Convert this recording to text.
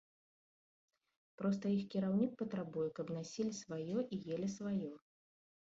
Проста іх кіраўнік патрабуе, каб насілі сваё і елі сваё.